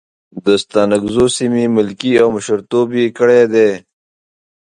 د ستانکزو سیمې ملکي او مشرتوب یې کړی دی.